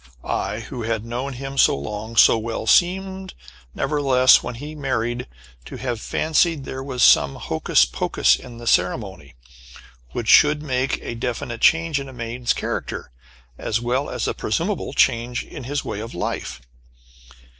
I, who had known him so long, so well, seemed, nevertheless, when he married, to have fancied there was some hocus pocus in the ceremony, which should make a definite change in a man's character, as well as a presumable change in his way of life.